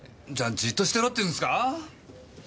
じっとしてろって言うんすか？